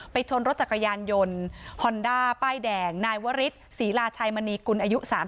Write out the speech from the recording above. ชนรถจักรยานยนต์ฮอนด้าป้ายแดงนายวริสศรีราชัยมณีกุลอายุ๓๐